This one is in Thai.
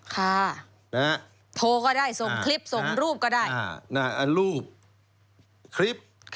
ค่ะโทรก็ได้ส่งคลิปส่งรูปก็ได้รูปคลิป